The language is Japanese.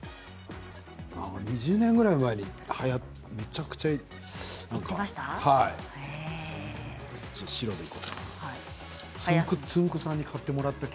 ２０年ぐらい前にめちゃくちゃはやって。